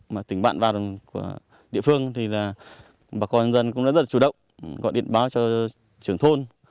mà tỉnh bạn và của địa phương thì là bà con nhân dân cũng đã rất là chủ động gọi điện báo cho trưởng thôn